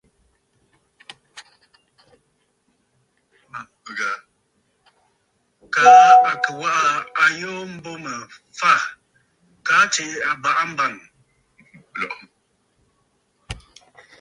Kaa à kɨ̀ waʼa ayoo a mbo mə̀ fâ, kaa tsiʼì àbàʼa mbàŋ!